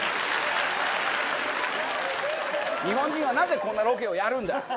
日本人はなぜこんなロケをやるんだ！